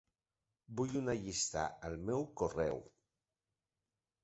Vull una llista al meu correu.